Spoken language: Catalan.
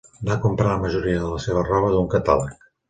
Va comprar la majoria de la seva roba d'un catàleg